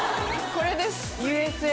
これです。